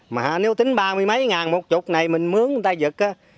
mà nếu tính ba mươi mấy ngàn một chục này mình mướn người ta dựt